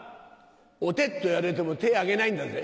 「お手」っと言われても手挙げないだぜ。